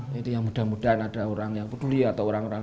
jadi ya mudah mudahan ada orang yang peduli atau orang orang